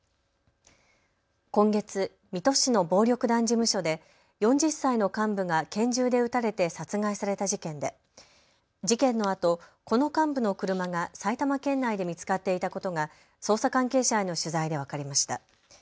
今月、水戸市の暴力団事務所で４０歳の幹部が拳銃で撃たれて殺害された事件で事件のあと、この幹部の車が埼玉県内で見つかっていたことが捜査関係者への取材で分かりました。